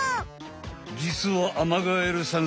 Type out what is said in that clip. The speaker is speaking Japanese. じつはアマガエルさん